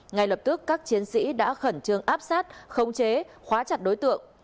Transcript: ngay lập tức các chiến sĩ đã khẩn trương áp sát khống chế khóa chặt đối tượng